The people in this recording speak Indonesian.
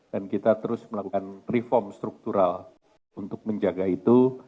dan kita terus melakukan reform struktural untuk menjaga itu